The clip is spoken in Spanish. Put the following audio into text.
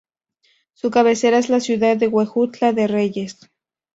Su cabecera es la ciudad de Huejutla de Reyes.